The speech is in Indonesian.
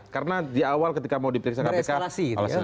karena di awal ketika mau dipirsa kpk alasan alasan